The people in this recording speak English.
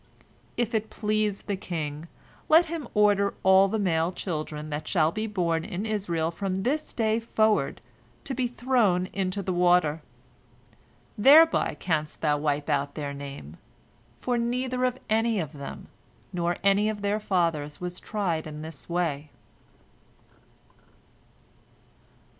If it please the king, let him order all the male children that shall be born in Israel from this day forward to be thrown into the water. Thereby canst thou wipe out their name, for neither any of them nor any of their fathers was tried in this way.